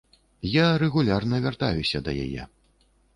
Я рэгулярна вяртаюся да яе.